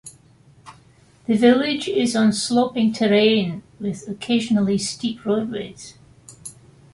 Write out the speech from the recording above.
The village is on sloping terrain with occasionally steep roadways.